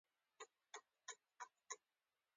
هغه د شينغزي د درختې و سايه ته ناست دی.